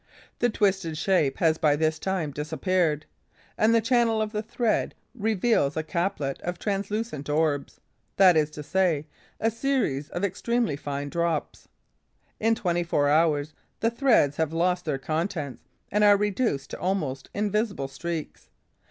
The twisted shape has by this time disappeared; and the channel of the thread reveals a chaplet of translucent orbs, that is to say, a series of extremely fine drops. In twenty four hours, the threads have lost their contents and are reduced to almost invisible streaks.